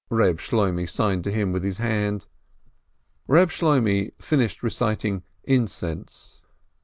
Reb Shloimeh signed to him with his hand. Reb Shloimeh finished reciting "Incense."